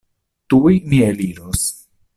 Tuj mi eliros.